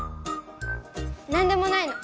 なんでもないの。